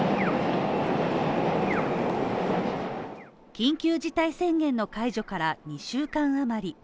緊急事態宣言の解除から２週間余り。